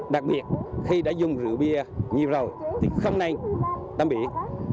đặc biệt khi đã dùng rượu bia nhiều rồi thì không nên tắm biển